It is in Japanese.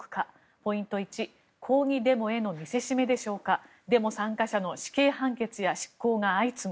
ポイント１、抗議デモへの見せしめでしょうかデモ参加者の死刑判決や執行が相次ぐ。